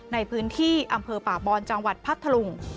ในพื้นที่อำเภอป่าบอนจังหวัดพัทธลุง